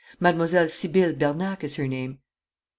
Mademoiselle Sibylle Bernac is her name.'